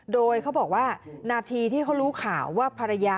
โดยเขาบอกว่านาทีที่เขารู้ข่าวว่าภรรยา